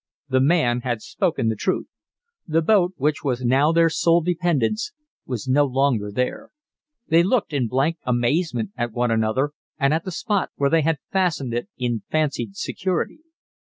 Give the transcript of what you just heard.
The man had spoken the truth. The boat, which was now their sole dependence, was no longer there. They looked in blank amazement at one another and at the spot where they had fastened it in fancied security.